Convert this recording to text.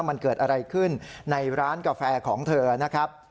มันเกิดอะไรขึ้นในร้านกาแฟของเธอนะครับ